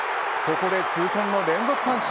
ここで痛恨の連続三振。